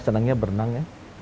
saya senangnya berenang ya